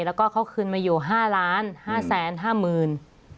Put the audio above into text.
แล้วก็เขาคืนมาอยู่๕ล้าน๕แสน๕หมื่น